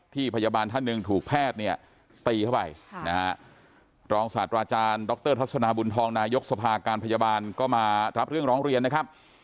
พยาบาลท่านหนึ่งถูกแพทย์เนี่ยตีเข้าไปนะฮะรองศาสตราจารย์ดรทัศนาบุญทองนายกสภาการพยาบาลก็มารับเรื่องร้องเรียนนะครับ